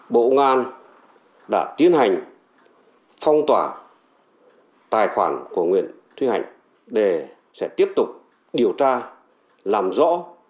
bộ ngoan đã tiến hành phong tỏa tài khoản của nguyễn thúy hạnh để sẽ tiếp tục điều tra làm rõ